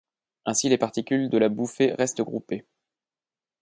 Ainsi les particules de la bouffée restent groupées.